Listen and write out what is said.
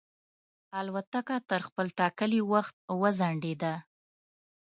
الوتکه تر خپل ټاکلي وخت وځنډېده.